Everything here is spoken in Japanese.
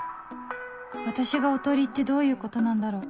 私がおとりってどういうことなんだろう